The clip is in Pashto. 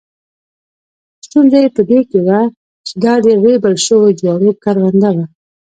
ستونزه یې په دې کې وه چې دا د ریبل شوو جوارو کرونده وه.